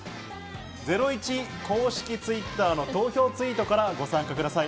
『ゼロイチ』公式Ｔｗｉｔｔｅｒの投票ツイートからご参加ください。